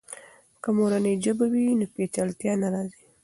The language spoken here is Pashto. که مورنۍ ژبه وي، نو پیچلتیا نه راځي.